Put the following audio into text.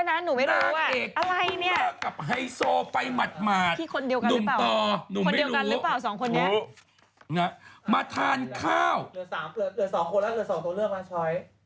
เหลือ๒คนละหลือ๒ตัวเลือกล่ะชอย